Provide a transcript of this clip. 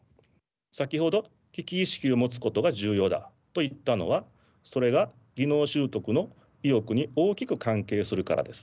先ほど危機意識を持つことが重要だと言ったのはそれが技能習得の意欲に大きく関係するからです。